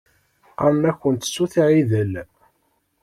Qqaṛen-akunt Sut Ɛidel.